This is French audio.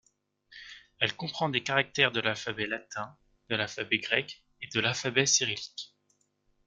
Elle comprend des caractères de l'alphabet latin, de l'alphabet grec et de l'alphabet cyrillique.